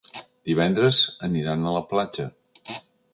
Divendres aniran a la platja.